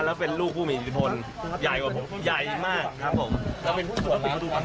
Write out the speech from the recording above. แล้วเป็นลูกผู้มีอิทธิพลใหญ่มากครับผม